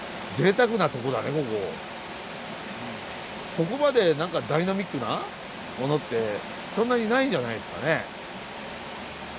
ここまで何かダイナミックなものってそんなにないんじゃないですかね。